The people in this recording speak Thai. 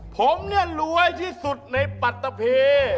ผมเนี่ยรวยที่สุดในปัตตะเพ